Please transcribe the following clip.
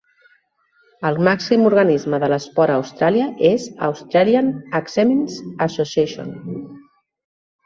El màxim organisme de l'esport a Austràlia és Australian Axemen's Association.